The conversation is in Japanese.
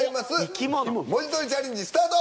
もじとりチャレンジスタート。